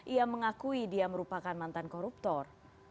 ia mengakui dia merupakan mantan koruptor